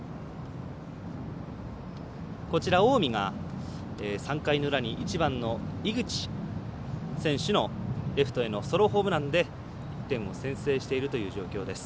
こちら近江が、３回の裏に１番の井口選手のレフトへのソロホームランで１点を先制しているという状況。